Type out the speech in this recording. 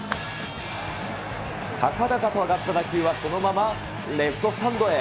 高々と上がった打球は、そのままレフトスタンドへ。